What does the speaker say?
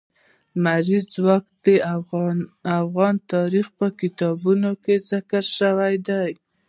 لمریز ځواک د افغان تاریخ په کتابونو کې ذکر شوی دي.